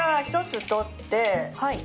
１つ取って。